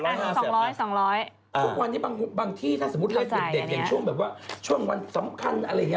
ทุกวันนี้บางที่ถ้าสมมุติไล่เด็กอย่างช่วงแบบว่าช่วงวันสำคัญอะไรอย่างนี้